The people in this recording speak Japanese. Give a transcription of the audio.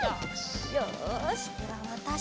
よしではわたしも。